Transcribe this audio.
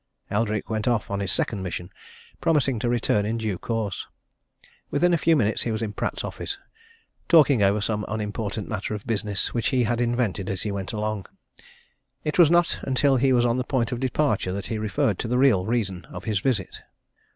Eldrick went off on his second mission, promising to return in due course. Within a few minutes he was in Pratt's office, talking over some unimportant matter of business which he had invented as he went along. It was not until he was on the point of departure that he referred to the real reason of his visit.